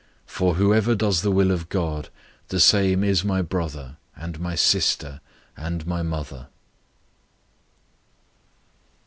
003:035 For whoever does the will of God, the same is my brother, and my sister, and mother."